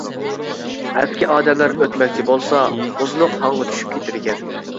ئەسكى ئادەملەر ئۆتمەكچى بولسا مۇزلۇق ھاڭغا چۈشۈپ كېتىدىكەن.